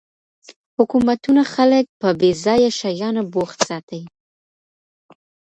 حکومتونه خلګ په بې ځایه شیانو بوخت ساتي.